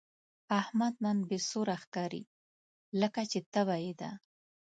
احمد نن بې سوره ښکاري، لکه چې تبه یې ده.